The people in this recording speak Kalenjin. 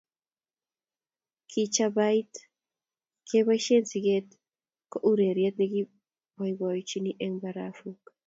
Kichabaaita keboisien sket ko ureriet ne kiboibochinin eng barafuk